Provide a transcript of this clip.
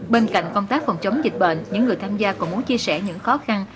bên cạnh công tác phòng chống dịch bệnh những người tham gia còn muốn chia sẻ những khó khăn